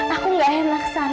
aku gak enak san